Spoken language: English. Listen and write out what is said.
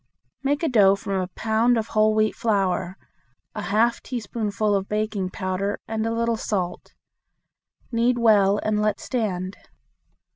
Make a dough from a pound of whole wheat flour, a half teaspoonful of baking powder, and a little salt. Knead well and let stand.